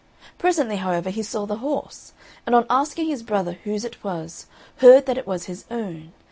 Presently, however, he saw the horse, and on asking his brother whose it was, heard that it was his own.